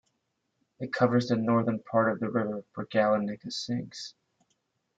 It covers the northern part of the river Bregalnica sinks.